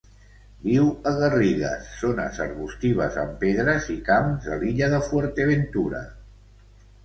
Viu a garrigues, zones arbustives amb pedres i camps de l'illa de Fuerteventura.